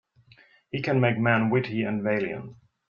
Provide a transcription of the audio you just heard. He can make men witty and valiant.